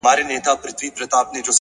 هره هڅه راتلونکی بدلوي!